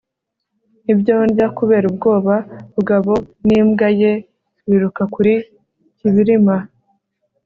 ibyo ndya. kubera ubwoba bugabo n'imbwa ye biruka kuri ... kibirima